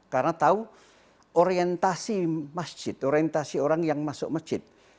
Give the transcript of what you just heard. karena tahu orientasi masjid orientasi orang yang masuk masjid